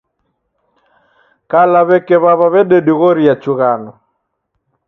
Kala w'eke w'aw'a w'ededighoria chughano.